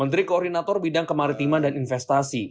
menteri koordinator bidang kemaritiman dan investasi